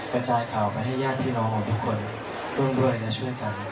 กระจายข่าวไปให้ญาติพี่น้องของทุกคนร่วมด้วยและช่วยกัน